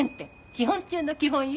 基本中の基本よ。